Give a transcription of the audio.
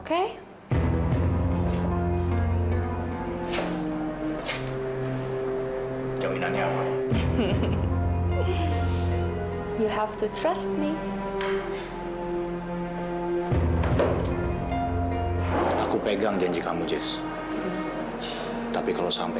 kamu tahu munisi jantungnya seperti apakamu